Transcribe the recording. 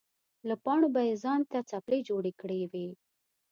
له پاڼو به یې ځان ته څپلۍ جوړې کړې وې.